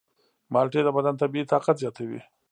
مالټې د بدن طبیعي طاقت زیاتوي.